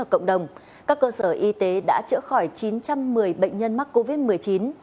cộng đồng các cơ sở y tế đã chữa khỏi chín trăm một mươi bệnh nhân mắc covid một mươi chín